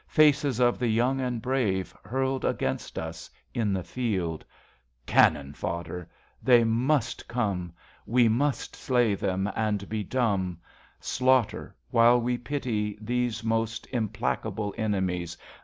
Faces of the young and brave Hurled against us in the field. Cannon fodder ! They must come. We must slay them, and be dumb, Slaughter, while we pity, these Most implacable enemies.